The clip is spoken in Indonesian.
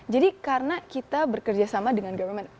jadi karena kita bekerja sama dengan government